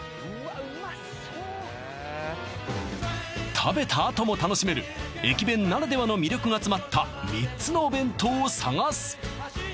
食べたあとも楽しめる駅弁ならではの魅力が詰まった３つのお弁当を探す